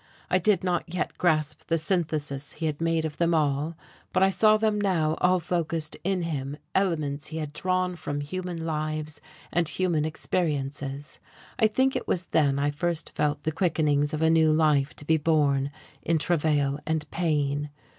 I did not yet grasp the synthesis he had made of them all, but I saw them now all focussed in him elements he had drawn from human lives and human experiences. I think it was then I first felt the quickenings of a new life to be born in travail and pain....